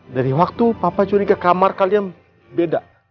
dari waktu papa curiga kamar kalian beda